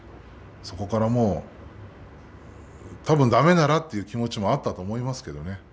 そこからたぶんだめだなという気持ちもあったと思いますよね。